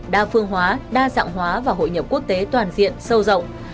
đa phương hóa đa dạng hóa và hội nhập quốc tế toàn diện sâu rộng